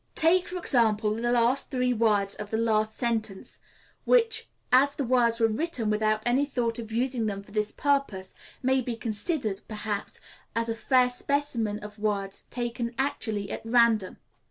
Take, for example, the three last words of the last sentence, which, as the words were written without any thought of using them for this purpose, may be considered, perhaps, as a fair specimen of words taken actually at random.